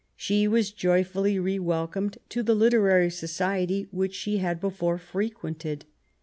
She was joyfully re welcomed to the literary society which she had before frequented.